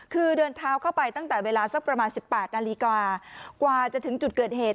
คือเดินเท้าเข้าไปตั้งแต่เวลาสักประมาณ๑๘นาฬิกากว่าจะถึงจุดเกิดเหตุ